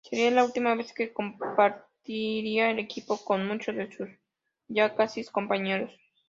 Sería la última vez que compartiría equipo con muchos de sus ya casi excompañeros.